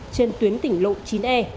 trên tuyến tỉnh lộ chín e